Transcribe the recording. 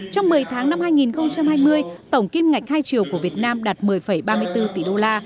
trong một mươi tháng năm hai nghìn hai mươi tổng kim ngạch hai triệu của việt nam đạt một mươi ba mươi bốn tỷ đô la